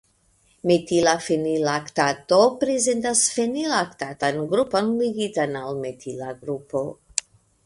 Metila fenillaktato prezentas fenillaktatan grupon ligitan al metila grupo.